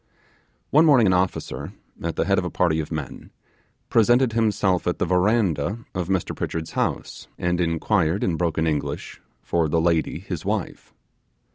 One morning an officer, at the head of a party of men, presented himself at the verandah of Mr Pritchard's house, and inquired in broken English for the lady his wife.